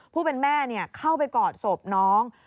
ผู้เป็นแม่เข้าไปกอดศพน้อง